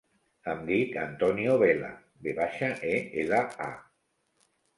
Em dic Antonio Vela: ve baixa, e, ela, a.